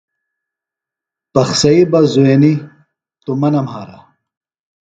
پخسئی بہ زُوئینی توۡ مہ نہ مھارہ۔